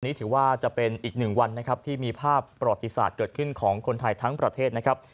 ถือว่าจะเป็นอีกหนึ่งวันนะครับที่มีภาพประวัติศาสตร์เกิดขึ้นของคนไทยทั้งประเทศนะครับ